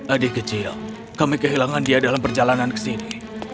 adik kecil kami kehilangan dia dalam perjalanan ke sini